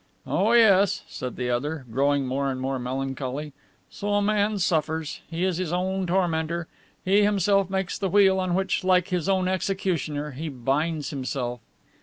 "Oh, yes," said the other, growing more and more melancholy. "So a man suffers. He is his own tormentor; he himself makes the wheel on which, like his own executioner, he binds himself."